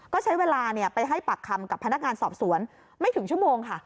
ก็ใช้เวลาไปให้ปากคำกับพนักงานสอบสวนไม่ถึงชั่วโมงค่ะ